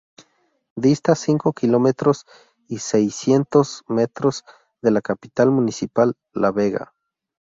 Dista cinco kilómetros y seiscientos metros de la capital municipal, La Vega.